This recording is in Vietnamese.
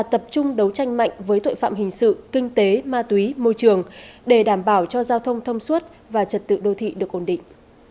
tập trung đấu tranh mạnh với tội phạm hình sự kinh tế ma túy môi trường để đảm bảo cho giao thông thông suốt và trật tự đô thị được ổn định